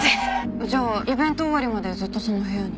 じゃあイベント終わりまでずっとその部屋に。